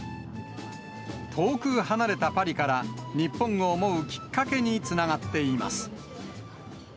遠く離れたパリから、日本を思うきっかけにつながっています。